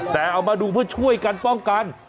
แต่เอามาดูเพื่อช่วยกันป้องกัน